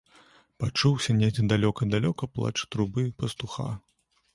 Пачуўся недзе далёка-далёка плач трубы пастуха.